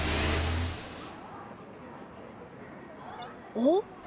おっ！